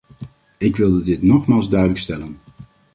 Ik wilde dit nogmaals duidelijk stellen.